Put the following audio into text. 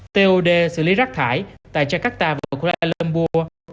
tod xử lý rắc thải tại jakarta và kuala lumpur